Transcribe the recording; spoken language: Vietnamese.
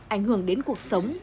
ảnh hưởng đến cuộc sống viện sử dụng